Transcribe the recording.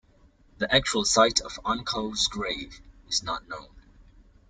The actual site of Ankō's grave is not known.